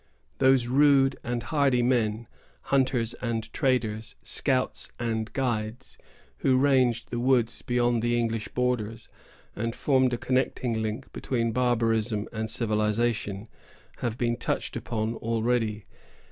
Those rude and hardy men, hunters and traders, scouts and guides, who ranged the woods beyond the English borders, and formed a connecting link between barbarism and civilization, have been touched upon already.